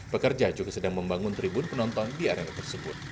pekerja juga sedang membangun tribun penonton di arena tersebut